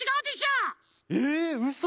えうそ！？